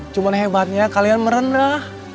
cuman hebatnya kalian merendah